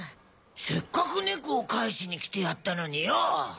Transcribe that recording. せっかく猫を返しにきてやったのによ。